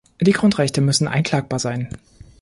Die Grundrechte müssen einklagbar sein.